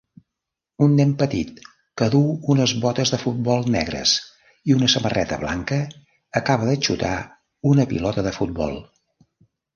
Un nen petit que duu unes botes de futbol negres i una samarreta blanca acaba de xutar una pilota de futbol